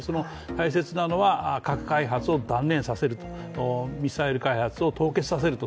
大切なのは核開発を断念させると、ミサイル開発を凍結させると。